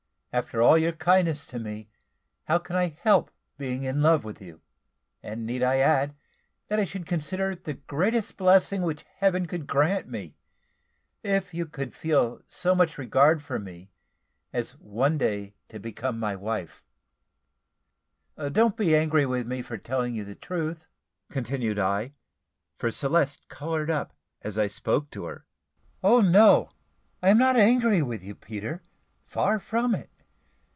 After all your kindness to me, how can I help being in love with you? and need I add, that I should consider it the greatest blessing which Heaven could grant me, if you could feel so much regard for me, as one day to become my wife. Don't be angry with me for telling you the truth," continued I, for Celeste coloured up as I spoke to her. "O no! I am not angry with you, Peter; far from it.